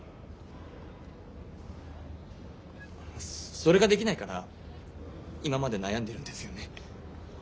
それができないから今まで悩んでるんですよね。